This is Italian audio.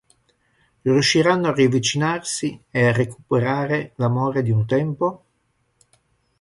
Riusciranno a riavvicinarsi e a recuperare l'amore di un tempo?